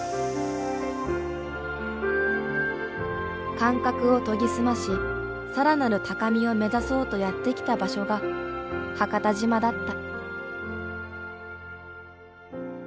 感覚を研ぎ澄まし更なる高みを目指そうとやって来た場所が伯方島だった。